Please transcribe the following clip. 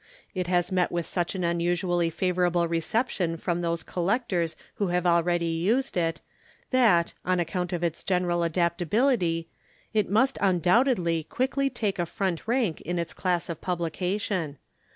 It has met with such an unusually favourable reception from those Collectors who have already used it that, on account of its general adaptability, it must undoubtedly quickly take a front rank in this class of publication.